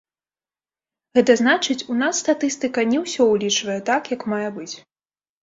Гэта значыць, у нас статыстыка не ўсе ўлічвае так, як мае быць.